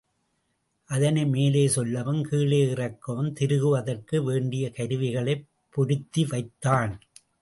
அதனை மேலே செல்லவும் கீழே இறக்கவும் திருகுவதற்கு வேண்டிய கருவிகளைப் பொருத்தி வைத்தான்.